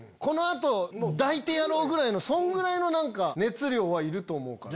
この後抱いてやろう！ぐらいのそんぐらいの熱量はいると思う。